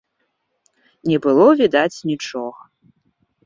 Не было відаць нічога.